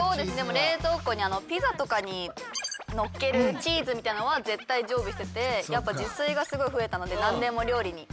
冷蔵庫にピザとかにのっけるチーズみたいなのは絶対常備しててやっぱ自炊がすごい増えたので何でも料理にかけたりとか。